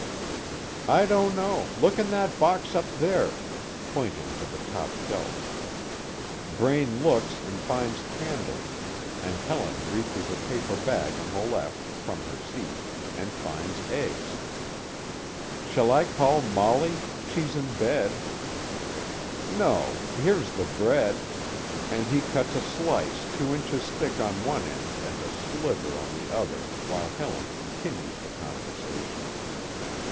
"I don't know look in that box up there," pointing to the top shelf. Braine looks and finds candles, and Helen reaches a paper bag on the left, from her seat, and finds eggs. "Shall I call Mollie? she's in bed." "No. Here's the bread," and he cuts a slice two inches thick on one end and a sliver on the other, while Helen continues the conversation.